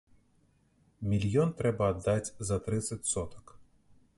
Мільён трэба аддаць за трыццаць сотак.